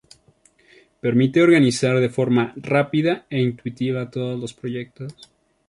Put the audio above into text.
Permite organizar de forma rápida e intuitiva todos los proyectos.